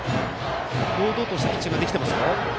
堂々としたピッチングができていますよ。